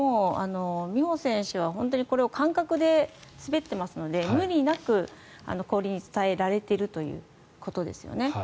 美帆選手は本当にこれを感覚で滑ってますので無理なく氷に伝えられているということですね。